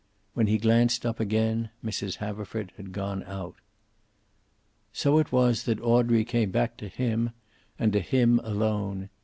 When he glanced up again Mrs. Haverford had gone out. So it was that Audrey came back to him, and to him alone.